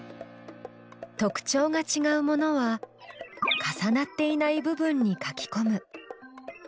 特徴がちがうものは重なっていない部分に書きこむ。